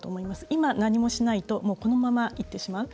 今、何もしないとこのままいってしまう。